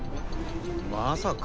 まさか。